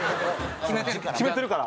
決めてるから。